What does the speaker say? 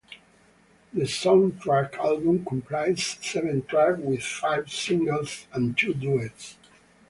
The soundtrack album comprises seven tracks with five singles and two duets.